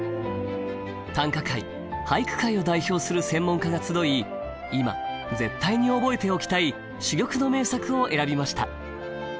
短歌界俳句界を代表する専門家が集い今絶対に覚えておきたい珠玉の名作を選びました。